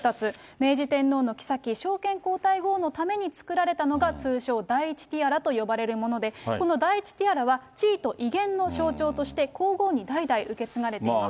明治天皇のきさき、昭憲皇太后のために作られたのが、通称第１ティアラと呼ばれるもので、この第１ティアラは、地位と威厳の象徴として皇后に代々受け継がれています。